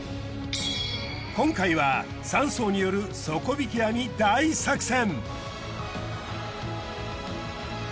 今回は３艘による底引き網大作戦。